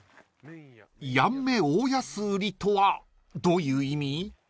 ［やんめ大安売りとはどういう意味？］